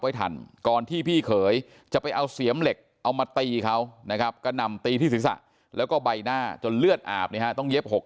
ไว้ทันก่อนที่พี่เคยจะไปเอาเสียมเหล็กเอามาตีเขานะครับก็นำตีพี่ศิษย์แล้วก็ใบหน้าจนเลือดอาบนี้ละเรา